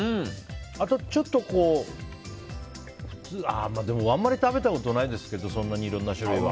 あと、ちょっとでも、あんまり食べたことないですけどそんなにいろんな種類は。